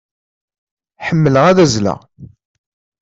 Ḥemmleɣ ad azzleɣ.